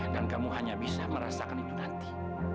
dan kamu hanya bisa merasakan itu nanti